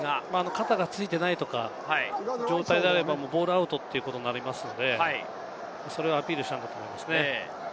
肩がついていないとかいう状態であればボールアウトということになりますので、それをアピールしたんだと思います。